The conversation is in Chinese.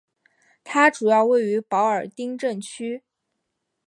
它主要位于保尔丁镇区。